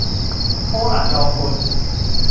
波瀾壯闊